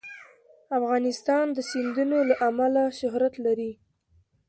افغانستان د سیندونه له امله شهرت لري.